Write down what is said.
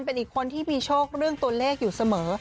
เป็นอีกคนที่มีโชคเรื่องตัวเลขอยู่เสมอ